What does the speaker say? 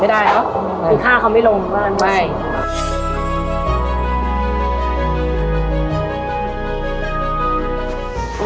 ไม่ได้หรอคือฆ่าเขาไม่ลงไม่